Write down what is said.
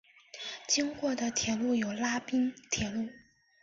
经过的铁路有拉滨铁路。